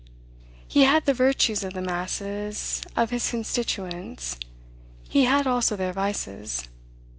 He had the virtues of the masses of his constituents; he had also their vices.